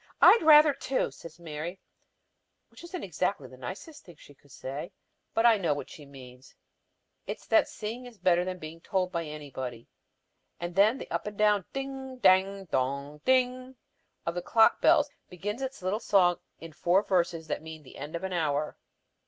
"I'd rather, too," says Mary, which isn't exactly the nicest thing she could say, but I know what she means. It's that seeing is better than being told by anybody. And then the up and down "ding, dang, dong, ding," of the clock bells begins its little song in four verses that means the end of an hour.